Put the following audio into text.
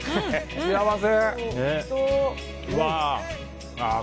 幸せ！